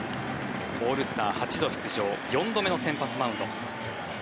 オールスター８度出場４度目の先発マウンド。